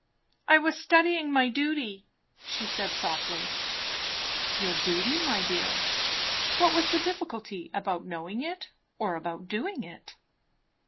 "I was studying my duty," she said softly. "Your duty, my dear? Was the difficulty about knowing it, or about doing it?"